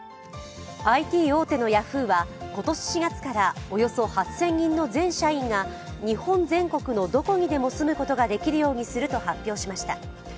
ＩＴ大手のヤフーは今年４月からおよそ８０００人の全社員が、日本全国のどこにでも住むことができるようにすると発表しました。